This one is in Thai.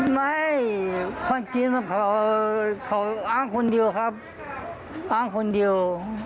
ไม่คนจีนเขาอ้างคนเดียวครับอ้างคนเดียว